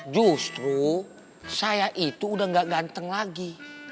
justru saya itu udah gak ganteng lagi